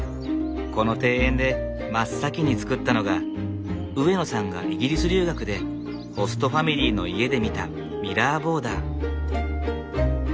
この庭園で真っ先に造ったのが上野さんがイギリス留学でホストファミリーの家で見たミラーボーダー。